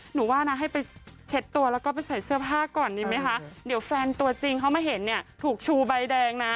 ว่านะให้ไปเช็ดตัวแล้วก็ไปใส่เสื้อผ้าก่อนดีไหมคะเดี๋ยวแฟนตัวจริงเขามาเห็นเนี่ยถูกชูใบแดงนะ